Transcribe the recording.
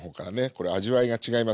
これ味わいが違いますから。